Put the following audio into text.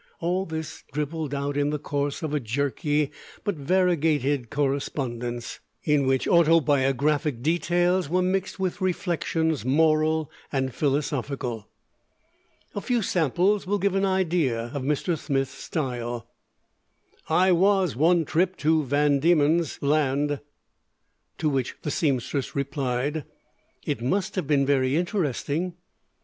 All this dribbled out in the course of a jerky but variegated correspondence, in which autobiographic details were mixed with reflections moral and philosophical. A few samples will give an idea of Mr. Smith's style: i was one trip to van demens land To which the seamstress replied: _It must have been very interesting.